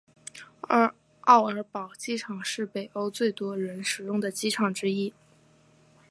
奥尔堡机场是北欧最多人使用的机场之一。